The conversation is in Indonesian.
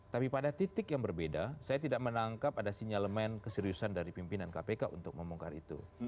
tapi pada titik yang berbeda saya tidak menangkap ada sinyalemen keseriusan dari pimpinan kpk untuk membongkar itu